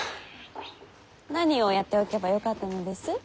何をやっておけばよかったのです？